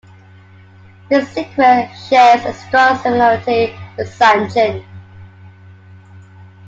This sequence shares a strong similarity with Sanchin.